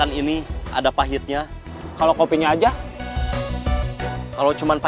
habis itu aku tanya kang ujang mau minum apa